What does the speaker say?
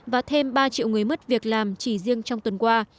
và thêm ba triệu người mất việc làm chỉ riêng trong tuần qua